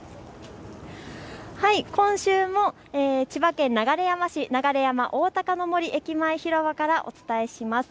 今週も千葉県流山市、流山おおたかの森駅前広場からお伝えしています。